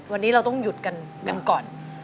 วันนี้เราต้องหยุดกันก่อน